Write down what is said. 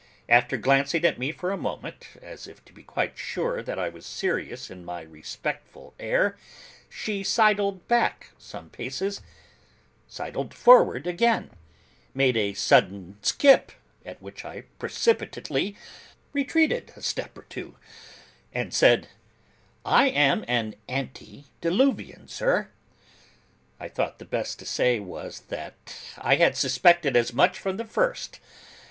After glancing at me for a moment, as if to be quite sure that I was serious in my respectful air, she sidled back some paces; sidled forward again; made a sudden skip (at which I precipitately retreated a step or two); and said: 'I am an antediluvian, sir.' I thought the best thing to say was, that I had suspected as much from the first.